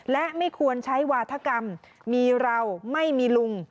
และไม่ควรใช้วาธกรรมมีเราไม่มีลุง